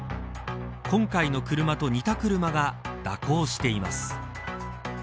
今回の車と似た車が蛇行しています。